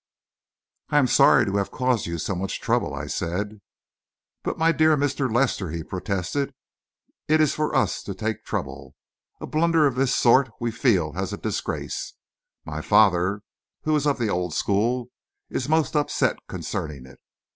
"I am sorry to have caused you so much trouble," I said. "But, my dear Mr. Lester," he protested, "it is for us to take trouble. A blunder of this sort we feel as a disgrace. My father, who is of the old school, is most upset concerning it.